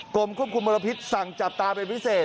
กรมควบคุมมลพิษสั่งจับตาเป็นพิเศษ